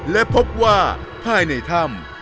และพบว่าภายในถ้ำ